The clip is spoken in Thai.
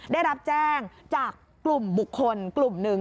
ได้รับแจ้งจากกลุ่มบุคคลกลุ่มหนึ่ง